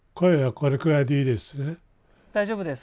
大丈夫です。